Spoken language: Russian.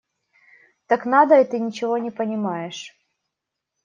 Так надо, и ты ничего не понимаешь.